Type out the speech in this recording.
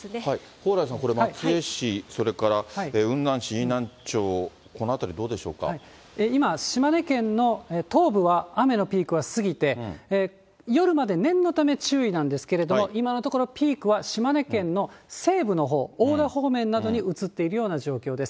蓬莱さん、これ、松江市、それから雲南市、飯南町、このあた今、島根県の東部は、雨のピークは過ぎて、夜まで念のため注意なんですけれども、今のところ、ピークは島根県の西部のほう、おおだ方面などに移っている状況です。